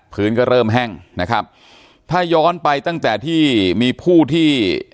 พื้นก็เริ่มแห้งนะครับถ้าย้อนไปตั้งแต่ที่มีผู้ที่